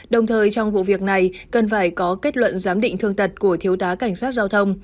đồng thời trong vụ việc này cần phải có kết luận giám định thương tật của thiếu tá cảnh sát giao thông